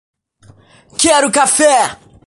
Quero café!